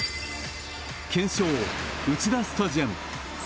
検証ウチダスタジアム。